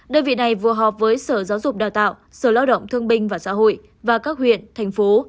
đơn vị này vừa họp với sở giáo dục đào tạo sở lao động thương binh và xã hội và các huyện thành phố